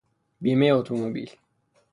بیمهی اتومبیل